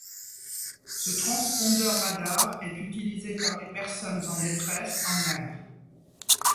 Ce transpondeur radar est utilisé par les personnes en détresse à la mer.